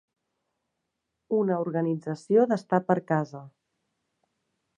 Una organització d'estar per casa.